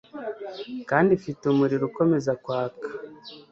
kandi ifite umuriro ukomeza kwaka.